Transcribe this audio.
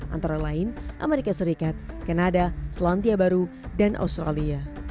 antara lain amerika serikat kanada selantia baru dan australia